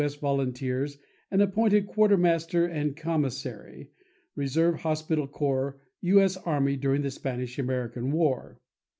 S. Volunteers, and appointed quartermaster and commissary, Reserve Hospital Corps, U. S. Army, during the Spanish American War.